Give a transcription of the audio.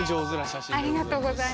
ありがとうございます。